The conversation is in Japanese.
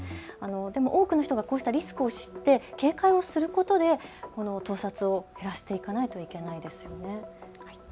でも多くの人がこうしたリスクを知って警戒をすることで盗撮を減らしていかないといけないですよね。